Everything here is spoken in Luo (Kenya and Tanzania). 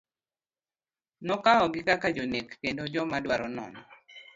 Nokawogi kaka jonek kendo jomadwaro nono.